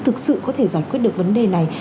thực sự có thể giải quyết được vấn đề này